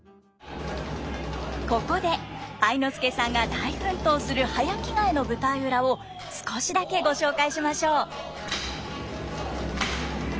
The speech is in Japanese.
ここで愛之助さんが大奮闘する早着替えの舞台裏を少しだけご紹介しましょう。